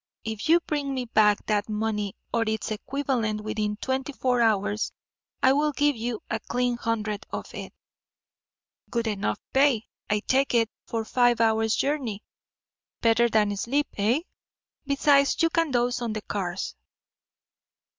If you bring me back that money or its equivalent within twenty four hours, I will give you a clean hundred of it. Good enough pay, I take it, for five hours' journey. Better than sleep, eh? Besides, you can doze on the cars."